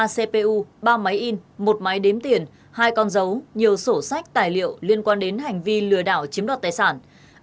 ba cpu ba máy in một máy đếm tiền hai con dấu nhiều sổ sách tài liệu liên quan đến hành vi lừa đảo chiếm đoạt tài sản